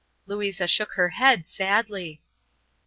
Louisa shook her head sadly.